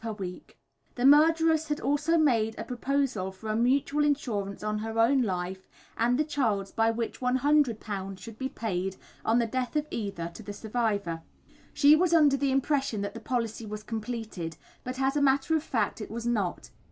per week. The murderess had also made a proposal for a mutual insurance on her own life and the child's by which £100 should be paid, on the death of either, to the survivor. She was under the impression that the policy was completed, but as a matter of fact, it was not.